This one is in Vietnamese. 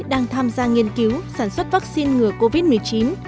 đang tham gia nghiên cứu sản xuất vaccine ngừa covid một mươi chín